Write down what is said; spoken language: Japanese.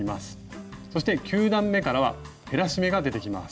そして９段めからは減らし目が出てきます。